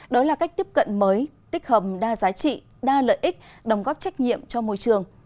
đó là cách tiếp cận mới tích hầm đa giá trị đa lợi ích đồng góp trách nhiệm cho môi trường